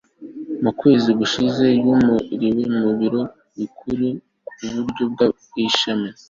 mu kwezi gushize, yimuriwe ku biro bikuru ku biro by'ishami